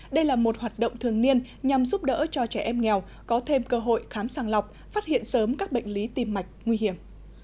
đây là một hoạt động thường niên nhằm giúp đỡ cho trẻ em nghèo có thêm cơ hội khám sàng lọc phát hiện sớm các bệnh lý tim mạch nguy hiểm